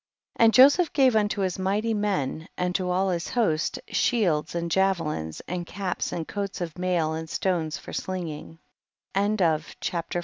44. And Joseph gave unto his mighty men, and to all his host, shields and javelins, and caps and coats of mail and stones for sling THE BOOK OF JASHER.